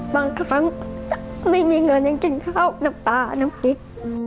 บางครั้งไม่มีเงินยังกินข้าวน้ำปลาน้ำพริก